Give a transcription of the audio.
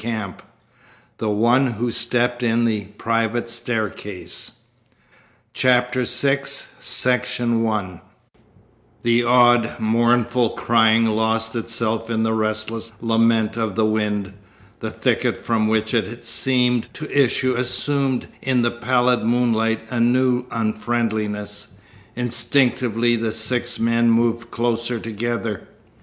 CHAPTER VI THE ONE WHO CREPT IN THE PRIVATE STAIRCASE The odd, mournful crying lost itself in the restless lament of the wind. The thicket from which it had seemed to issue assumed in the pallid moonlight a new unfriendliness. Instinctively the six men moved closer together.